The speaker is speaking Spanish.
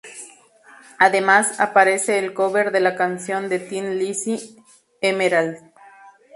Además, aparece el cover de la canción de Thin Lizzy "Emerald".